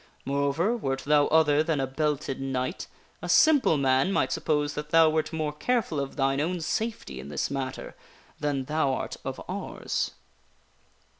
Moreover, wert thou other than a belted knight, a simple man might suppose that thou wert more careful of thine own safety in this matter, than thou art of ours."